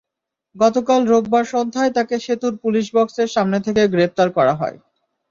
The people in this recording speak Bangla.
গতকাল রোববার সন্ধ্যায় তাঁকে সেতুর পুলিশ বক্সের সামনে থেকে গ্রেপ্তার করা হয়।